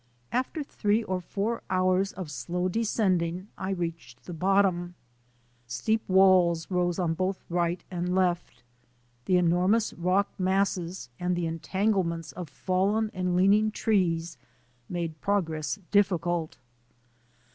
After three or lour hours of slow descending I reached the bottom. Steep walls rose on both right and left. The enormous rock masses and the entanglements of fallen and leaning trees made progress difficult.